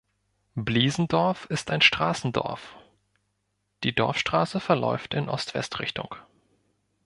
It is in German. Bliesendorf ist ein Straßendorf, die Dorfstraße verläuft in Ost-West-Richtung.